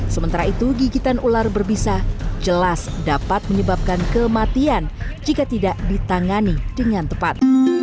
sementara itu gigitan ular berbisa jelas dapat menyebabkan kematian jika tidak ditangani dengan tepat